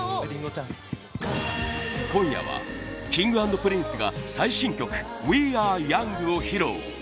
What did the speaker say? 今夜はＫｉｎｇ＆Ｐｒｉｎｃｅが最新曲「Ｗｅａｒｅｙｏｕｎｇ」を披露！